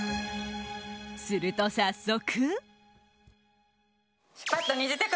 すると早速。